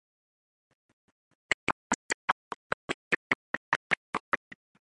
They promised to help, but later they went back on their word.